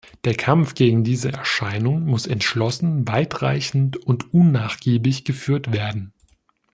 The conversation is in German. Der Kampf gegen diese Erscheinung muss entschlossen, weitreichend und unnachgiebig geführt werden.